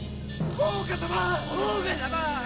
大岡様！